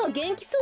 う。